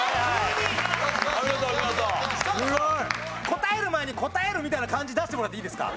答える前に答えるみたいな感じ出してもらっていいですか？